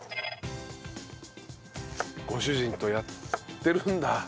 ご主人とやってるんだ。